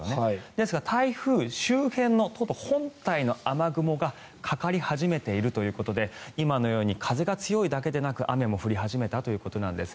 ですが、台風周辺の本体の雨雲がかかり始めているということで今のように風が強いだけでなく雨も降り始めたということなんです。